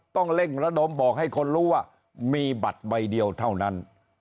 ต้องเร่งระดมบอกให้คนรู้ว่ามีบัตรใบเดียวเท่านั้น